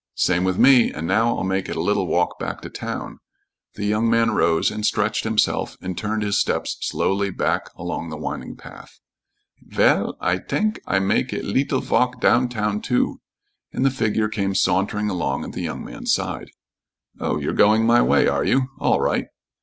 "Same with me, and now I'll make it a little walk back to town." The young man rose and stretched himself and turned his steps slowly back along the winding path. "Vell, I tank I make it leetle valk down town, too," and the figure came sauntering along at the young man's side. "Oh, you're going my way, are you? All right."